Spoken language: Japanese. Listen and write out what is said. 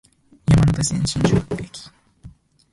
山手線、新宿駅